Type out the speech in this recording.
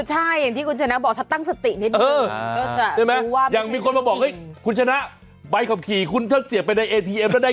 แล้วเรื่องนี้กันบ้างคุณผู้ชมใช่ไหมค่ะ